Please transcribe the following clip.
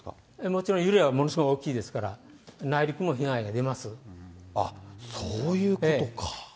もちろん、揺れはものすごい大きいですから、内陸も被害が出そういうことか。